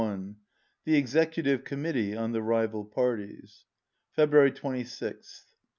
160 THE EXECUTIVE COMMITTEE ON THE RIVAL PARTIES February 26th.